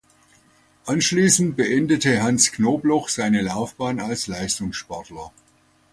Anschließend beendete Hans Knobloch seine Laufbahn als Leistungssportler.